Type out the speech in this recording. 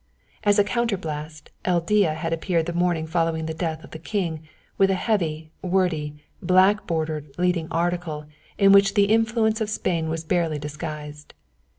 As a counterblast, El Dia had appeared the morning following the death of the king, with a heavy, wordy, black bordered leading article in which the influence of Spain was barely disguised.